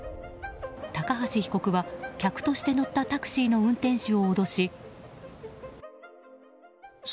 高橋被告は客として乗ったタクシーの運転手を脅し。